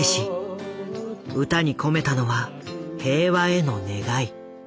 歌に込めたのは「平和」への願い。